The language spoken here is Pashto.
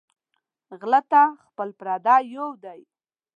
غله ته خپل او پردي یو دى